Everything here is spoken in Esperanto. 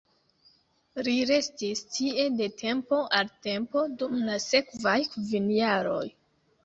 Li restis tie de tempo al tempo dum la sekvaj kvin jaroj.